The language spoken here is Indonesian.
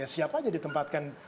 siapa saja ditempatkan